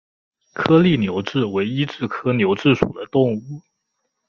颗粒牛蛭为医蛭科牛蛭属的动物。